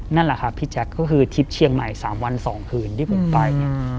นั่นแหละค่ะพี่แจ็คก็คือทริปเชียงใหม่สามวันสองคืนที่ผมไป